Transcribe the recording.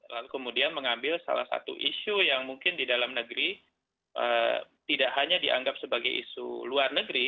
lalu kemudian mengambil salah satu isu yang mungkin di dalam negeri tidak hanya dianggap sebagai isu luar negeri